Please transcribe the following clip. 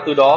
thứ tư đau